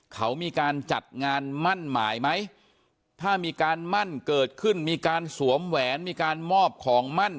เขามีการจัดงานมั่นหมายไหมถ้ามีการมั่นเกิดขึ้นมีการสวมแหวนมีการมอบของมั่น